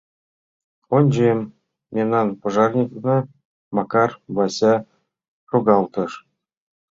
Ончем: мемнан пожарникна — Макар Вася шогылтеш.